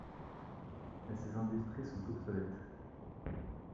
Mais ses industries sont obsolètes.